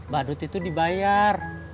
badut itu dibayar